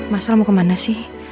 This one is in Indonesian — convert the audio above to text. masa kamu mau kemana sih